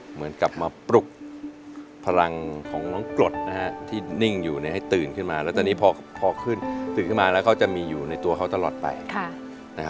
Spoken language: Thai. เหมือนกับมาปลุกพลังของน้องกรดนะฮะที่นิ่งอยู่ให้ตื่นขึ้นมาแล้วตอนนี้พอขึ้นตื่นขึ้นมาแล้วเขาจะมีอยู่ในตัวเขาตลอดไป